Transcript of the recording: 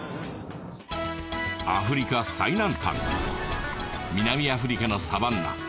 アフリカ最南端南アフリカのサバンナ